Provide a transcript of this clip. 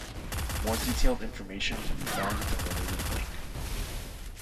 More detailed information can be found at the related link.